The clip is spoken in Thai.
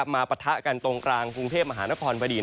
มาปะทะกันตรงกลางภูมิเทพฯมหานครพอดี